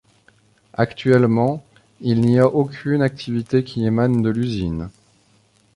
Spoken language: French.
Actuellement, il n'y a aucune activité qui émane de l'usine.